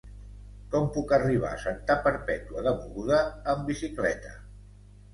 Com puc arribar a Santa Perpètua de Mogoda amb bicicleta?